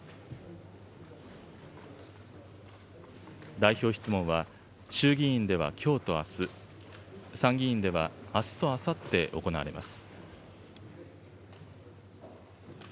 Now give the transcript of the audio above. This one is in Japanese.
代表質問は、衆議院ではきょうとあす、参議院ではあすとあさって行われます。